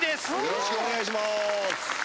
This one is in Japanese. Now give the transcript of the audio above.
よろしくお願いします